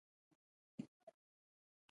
روغتیا ښه ده.